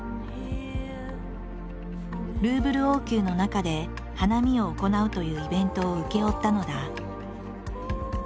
ルーブル王宮の中で花見を行うというイベントを請け負ったのだ。